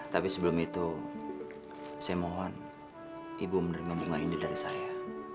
tapi sebelum itu saya mohon ibu menerima bunga ini dari saya